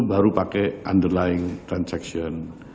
baru pakai underlying transaction